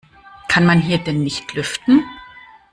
Kann man hier denn nicht lüften?